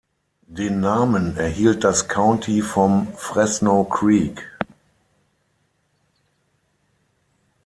Den Namen erhielt das County vom "Fresno Creek".